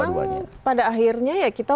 ya memang pada akhirnya ya